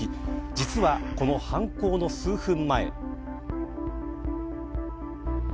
実は、この犯行の数分前。